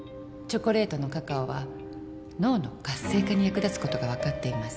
チョコレートのカカオは脳の活性化に役立つことが分かっています。